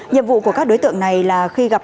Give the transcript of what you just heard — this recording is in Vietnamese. nhiệm vụ của các đối tượng này là khi gặp